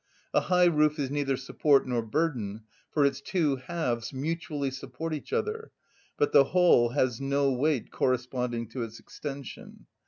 A high roof is neither support nor burden, for its two halves mutually support each other, but the whole has no weight corresponding to its extension.